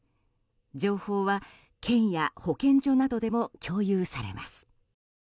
情報は県や保健所などでも共有されます。